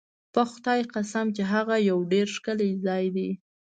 په خدای قسم چې هغه یو ډېر ښکلی ځای دی.